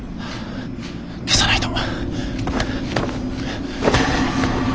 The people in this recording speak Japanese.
消さないと。